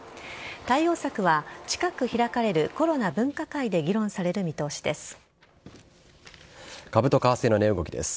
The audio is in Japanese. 対応策は近く開かれるコロナ分科会で株と為替の値動きです。